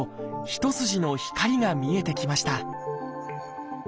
一筋の光が見えてきました